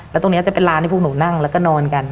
แล้วตรงนี้จะเป็นร้านที่พวกหนูนั่งแล้วก็นอนกัน